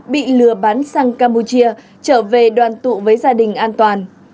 bị lừa bán sang campuchia trở về đoàn tụ với gia đình an toàn